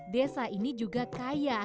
desa ini juga kaya